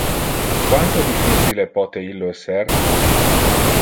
Quanto difficile pote illo esser?